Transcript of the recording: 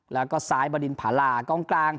แล้วก็ซ้ายบรินผลากลาง